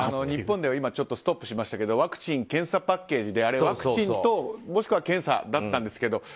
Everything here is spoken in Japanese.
日本では今、ストップしましたがワクチン・検査パッケージでワクチンともしくは検査だったんですけど